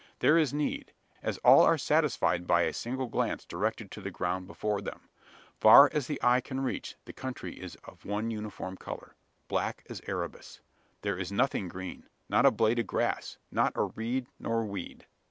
There is need: as all are satisfied by a single glance directed to the ground before them. Far as the eye can reach the country is of one uniform colour black as Erebus. There is nothing green not a blade of grass not a reed nor weed!